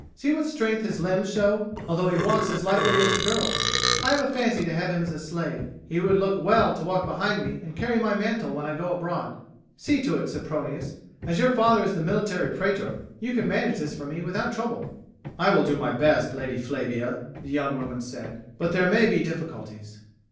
See what strength his limbs show, although he walks as lightly as a girl. I have a fancy to have him as a slave; he would look well to walk behind me and carry my mantle when I go abroad. See to it, Sempronius; as your father is the military praetor, you can manage this for me without trouble." "I will do my best, Lady Flavia," the young Roman said; "but there may be difficulties."